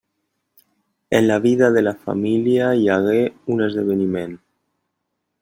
En la vida de la família hi hagué un esdeveniment.